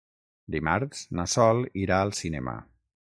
Dimarts na Sol irà al cinema.